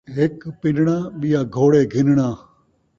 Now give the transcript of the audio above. ہک پنݨاں ، ٻیا گھوڑے گھنݨاں